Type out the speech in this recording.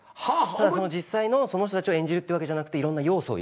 実際のその人たちを演じるってわけじゃなくていろんな要素を入れて。